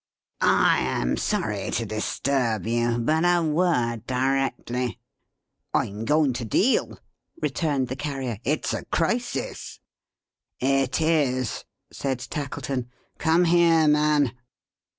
"I am sorry to disturb you but a word, directly." "I'm going to deal," returned the Carrier. "It's a crisis." "It is," said Tackleton. "Come here, man!"